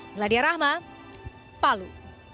meladia rahma palu